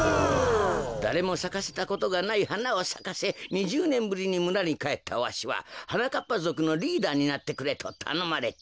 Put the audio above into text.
だれもさかせたことがないはなをさかせ２０ねんぶりにむらにかえったわしははなかっぱぞくのリーダーになってくれとたのまれた。